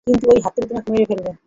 কিন্তু ঐ হাতুড়ি তোমাকে মেরে ফেলছে।